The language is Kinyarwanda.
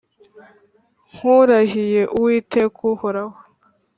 Nkurahiye Uwiteka uhoraho.